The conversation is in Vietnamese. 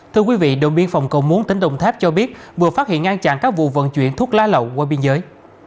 thưa quý vị đồn biên phòng cầu muốn tỉnh đồng tháp cho biết vừa phát hiện ngăn chặn các vụ vận chuyển thuốc lá lậu qua biên giới